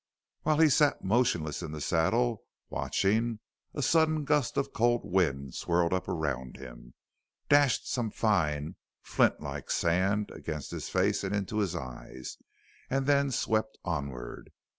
While he sat motionless in the saddle watching, a sudden gust of cold wind swirled up around him, dashed some fine, flint like sand against his face and into his eyes, and then swept onward.